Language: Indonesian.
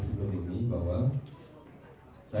ada beberapa poin yang bisa saya bagikan